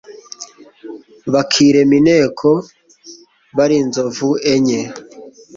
bakirema inteko bari inzovu enye